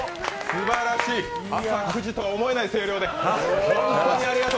すばらしい、朝９時とは思えない声量で。